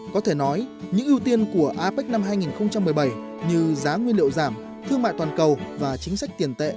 có thể nói những ưu tiên của apec năm hai nghìn một mươi bảy như giá nguyên liệu giảm thương mại toàn cầu và chính sách tiền tệ